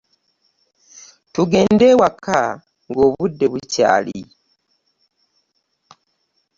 Tugedde ewaka ng'obudde bukyali.